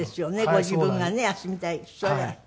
ご自分がね休みたいそれは。